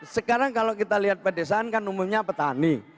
sekarang kalau kita lihat pedesaan kan umumnya petani